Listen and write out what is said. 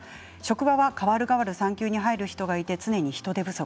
職場はかわるがわる産休に入る人がいて常に人手不足。